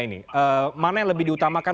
ini mana yang lebih diutamakan